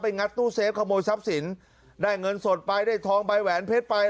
งัดตู้เซฟขโมยทรัพย์สินได้เงินสดไปได้ทองใบแหวนเพชรไป